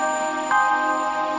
ada mata kita